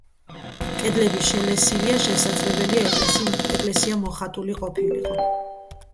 კედლები შელესილია, შესაძლებელია ეკლესია მოხატული ყოფილიყო.